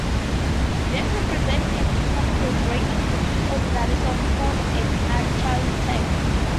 They represent an intermediate ranking between ordinary sophont and archailect.